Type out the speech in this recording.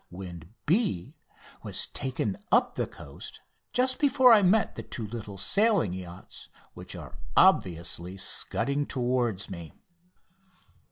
"Wind B" was taken up the coast just before I met the two little sailing yachts which are obviously scudding toward me.